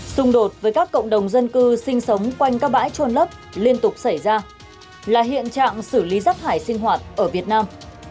xung đột với các cộng đồng dân cư sinh sống quanh các bãi trôn lấp liên tục xảy ra là hiện trạng xử lý rác thải sinh hoạt ở việt nam